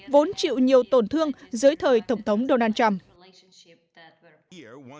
vốn chịu nhiều tổn thương dưới thời tổng thống donald trump